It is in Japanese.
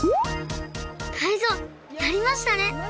タイゾウやりましたね！